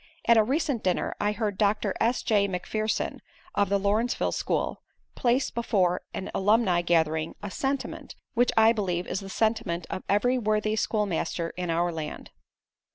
At a recent dinner I heard Doctor S. J. McPherson, of the Lawrenceville School, place before an alumni gathering a sentiment, which I believe is the sentiment of every worthy schoolmaster in our land.